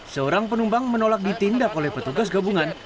seorang penumpang menolak ditindak oleh petugas gabungan